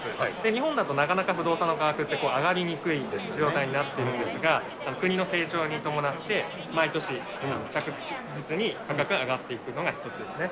日本だとなかなか不動産の価格って、上がりにくい状態になっているんですが、国の成長に伴って、毎年、着実に価格が上がっていくのが特徴ですね。